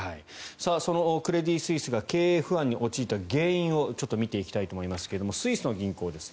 そのクレディ・スイスが経営不安に陥った原因をちょっと見ていきたいと思いますがスイスの銀行です。